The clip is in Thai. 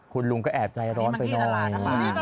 คุณลุงก็แอบใจร้อนไปนอน